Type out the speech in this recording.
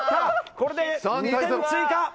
これで２点追加。